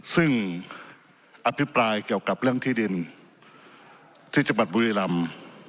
ซึ่งอภิปรายเกี่ยวกับเรื่องที่ดินที่จังหวัดบุรีรำ